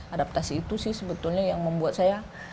adaptasi itu sih sebetulnya yang membuat saya